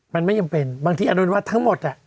มันไม่จำเป็นบางทีอันนโนมัติทั้งหมด